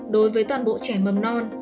đối với toàn bộ trẻ mầm non